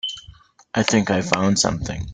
I think I found something.